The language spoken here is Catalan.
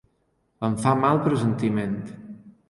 Em fa mal pressentiment!